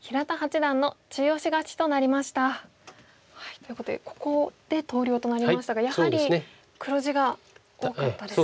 ということでここで投了となりましたがやはり黒地が多かったですか。